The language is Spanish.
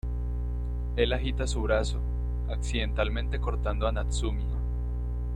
Él agita su brazo, accidentalmente cortando a Natsumi.